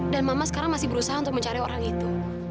dan mama sekarang masih berusaha untuk mencari orang itu